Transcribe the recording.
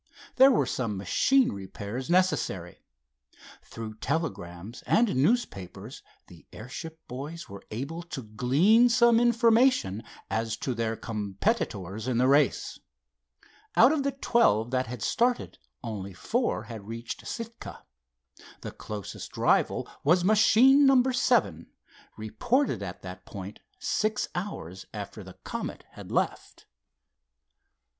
There were some machine repairs necessary. Through telegrams and newspapers the airship boys were able to glean some information as to their competitors in the race. Out of the twelve that had started only four had reached Sitka. The closest rival was machine number seven, reported at that point six hours after the Comet had left.